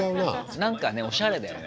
なんかねおしゃれだよね。